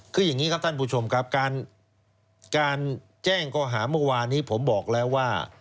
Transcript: คืออย่างนี้ครับท่านผู้ชมครับการแจ้งข้อหาเมื่อวานนี้ผมบอกแล้วว่า